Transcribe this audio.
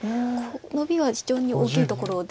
ノビは非常に大きいところで。